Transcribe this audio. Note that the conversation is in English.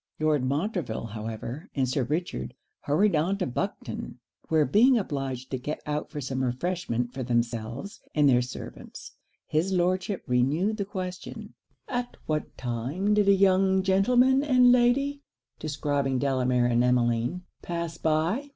Lord Montreville, however, and Sir Richard, hurried on to Buckden; where being obliged to get out for some refreshment for themselves and their servants, his Lordship renewed the question 'At what time did a young gentleman and lady' (describing Delamere and Emmeline) 'pass by?'